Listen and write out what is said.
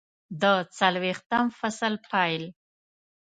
د څلویښتم فصل پیل